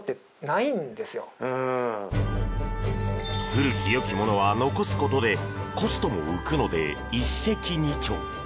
古きよきものは残すことでコストも浮くので一石二鳥。